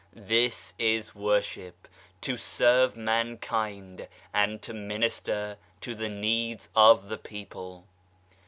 This is worship : to serve mankind and to minister to the needs of the people.